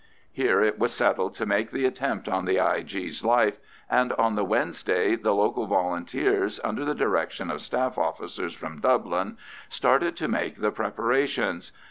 Here it was settled to make the attempt on the I.G.'s life, and on the Wednesday the local Volunteers, under the direction of staff officers from Dublin, started to make the preparations.